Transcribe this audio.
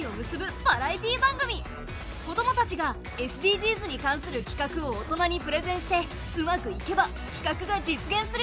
子どもたちがＳＤＧｓに関するきかくを大人にプレゼンしてうまくいけばきかくが実現するよ！